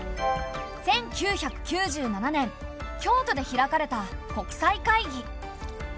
１９９７年京都で開かれた国際会議。